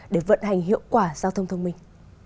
để vận hành hiệu quả giao thông thông minh